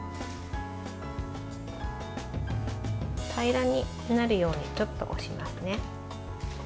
平らになるようにちょっと押しますね。